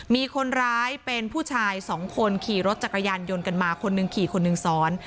มีคนร้ายเป็นผู้ชายสองคนขี่รถจักรยานยนต์กันมาคนหนึ่งขี่คนหนึ่งซ้อน